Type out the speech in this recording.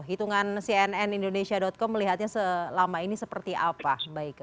hitungan cnn indonesia com melihatnya selama ini seperti apa mbak ike